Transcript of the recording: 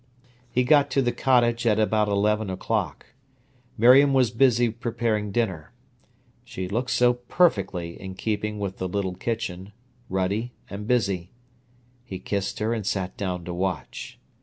He got to the cottage at about eleven o'clock. Miriam was busy preparing dinner. She looked so perfectly in keeping with the little kitchen, ruddy and busy. He kissed her and sat down to watch.